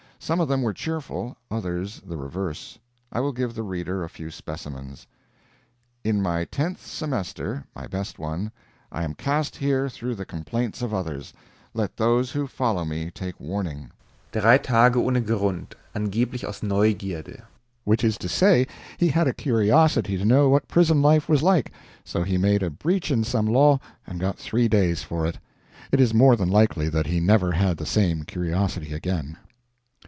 Some of them were cheerful, others the reverse. I will give the reader a few specimens: "In my tenth semester (my best one), I am cast here through the complaints of others. Let those who follow me take warning." "III TAGE OHNE GRUND ANGEBLICH AUS NEUGIERDE." Which is to say, he had a curiosity to know what prison life was like; so he made a breach in some law and got three days for it. It is more than likely that he never had the same curiosity again.